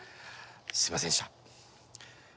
すいませんでした。